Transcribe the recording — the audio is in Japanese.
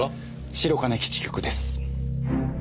白金基地局です。